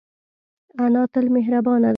انا تل مهربانه ده